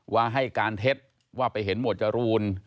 ว่าให้การเท็จว่าไปเห็นหมวดจรูน